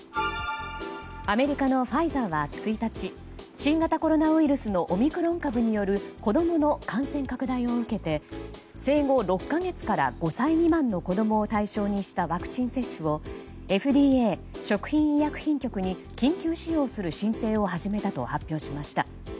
アメリカのファイザーは１日新型コロナウイルスのオミクロン株による子供の感染拡大を受けて生後６か月から５歳未満の子供を対象にしたワクチン接種をＦＤＡ・食品医薬品局に緊急使用する申請を始めたと発表しました。